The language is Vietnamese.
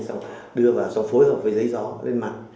xong đưa vào xong phối hợp với giấy gió lên mạng